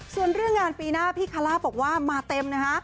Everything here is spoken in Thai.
ส่วนเรื่องงานปีหน้าพี่คาล่าบอกว่ามาเต็มนะฮะ